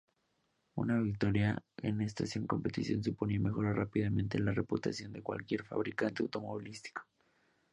Una victoria en esta competición suponía mejorar rápidamente la reputación de cualquier fabricante automovilístico.